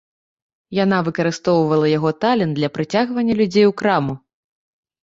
Яна выкарыстоўвала яго талент для прыцягвання людзей у краму.